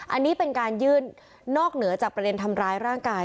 อันนี้เป็นการยื่นนอกเหนือจากประเด็นทำร้ายร่างกาย